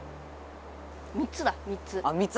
３つだ３つ。